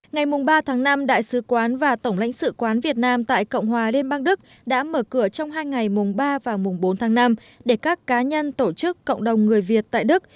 ngày ba tháng năm đại sứ quán và tổng lãnh sự quán việt nam tại cộng hòa liên bang đức đã mở cửa trong hai ngày mùng ba và mùng bốn tháng năm để các cá nhân tổ chức cộng đồng người việt tại đức